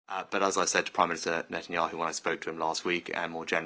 tapi seperti yang saya katakan kepada prime minister netanyahu ketika saya berbicara dengan dia minggu lalu